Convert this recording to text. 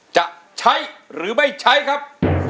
จะใช้หรือไม่ใช้ครับ